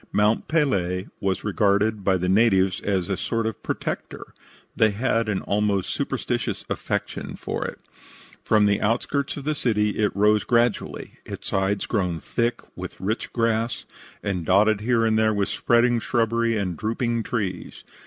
Mont Pelee was regarded by the natives as a sort of protector; they had an almost superstitious affection for it. From the outskirts of the city it rose gradually, its sides grown thick with rich grass, and dotted here and there with spreading shrubbery and drooping trees.